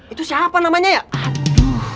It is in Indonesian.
itu siapa namanya ya